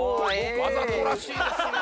わざとらしいですねぇ。